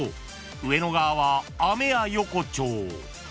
［上野側はアメヤ横丁］